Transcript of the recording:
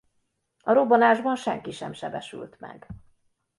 A robbanásban senki sem sebesült meg.